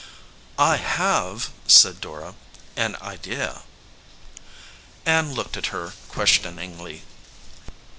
"I have," said Dora, "an idea." Ann looked at her questioningly.